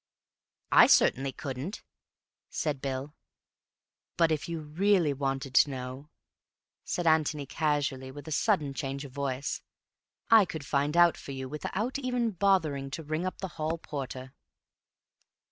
"I certainly couldn't," said Bill. "But if you really wanted to know," said Antony casually, with a sudden change of voice, "I could find out for you without even bothering to ring up the hall porter."